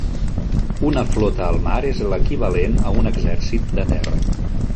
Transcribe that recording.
Una flota al mar és l'equivalent a un exèrcit de terra.